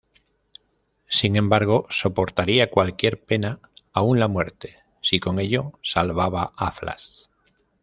Sin embargo, soportaría cualquier pena —aun la muerte— si con ello salvaba a Flash.